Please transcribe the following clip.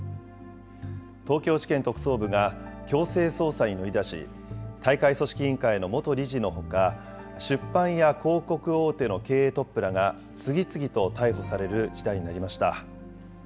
東京地検特捜部が強制捜査に乗り出し、大会組織委員会の元理事のほか、出版や広告大手の経営トップらが次々と逮捕される事態になりました。